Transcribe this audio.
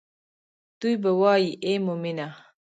دوي به وائي اے مومنه!